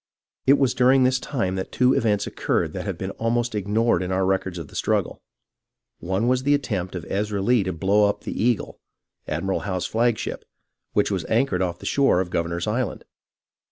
It was during this time that two events occurred that have been almost ignored in our records of the struggle. One was the attempt of Ezra Lee to blow up the Eagle, Admiral Howe's flagship, which was anchored off the shore of Governor's Island.